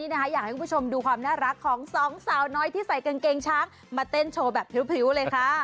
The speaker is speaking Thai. อยากให้คุณผู้ชมดูความน่ารักของสองสาวน้อยที่ใส่กางเกงช้างมาเต้นโชว์แบบพริ้วเลยค่ะ